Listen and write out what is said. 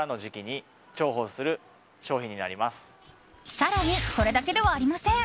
更に、それだけではありません。